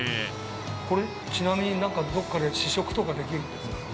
これちなみになんかどっかで試食とかできるんですか？